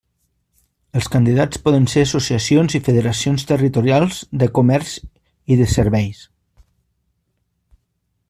Els candidats poden ser associacions i federacions territorials de comerç i de serveis.